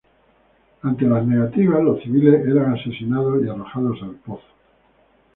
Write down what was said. Ante las negativas, los civiles eran asesinados y arrojados al pozo.